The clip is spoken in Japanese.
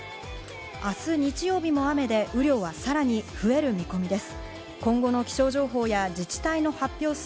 明日、日曜日も雨で、雨量はさらに増える見込みです。